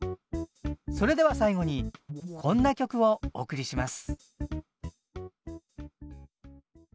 それでは最後にこんな曲をお送りします。